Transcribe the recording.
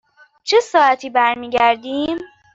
چه ساعتی برمی گردیم؟